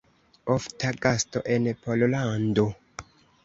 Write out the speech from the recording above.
Ofta gasto en Pollando.